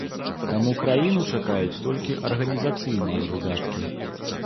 Таму краіну чакаюць толькі арганізацыйныя выдаткі.